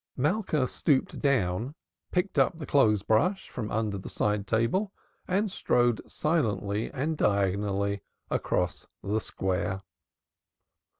Malka stooped down, picked up the clothes brush from under the side table, and strode silently and diagonally across the Square.